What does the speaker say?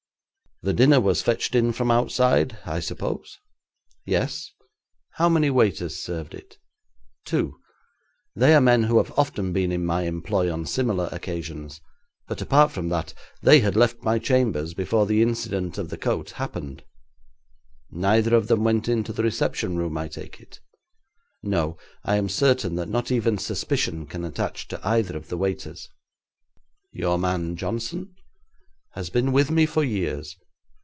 'The dinner was fetched in from outside, I suppose?' 'Yes.' 'How many waiters served it?' 'Two. They are men who have often been in my employ on similar occasions, but, apart from that, they had left my chambers before the incident of the coat happened.' 'Neither of them went into the reception room, I take it?' 'No. I am certain that not even suspicion can attach to either of the waiters.' 'Your man Johnson ?' 'Has been with me for years.